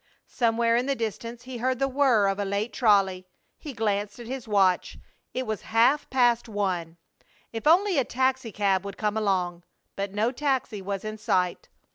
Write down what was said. Somewhere in the distance he heard the whir of a late trolley. He glanced at his watch. It was half past one. If only a taxicab would come along. But no taxi was in sight.